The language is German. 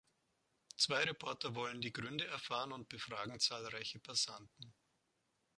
Zwei Reporter wollen die Gründe erfahren und befragen zahlreiche Passanten.